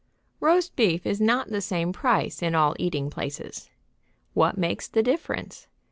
Roast beef is not the same price in all eating places. What makes the difference?